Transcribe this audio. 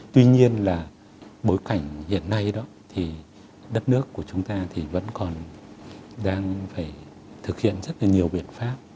tuy nhiên là bối cảnh hiện nay đó thì đất nước của chúng ta thì vẫn còn đang phải thực hiện rất là nhiều biện pháp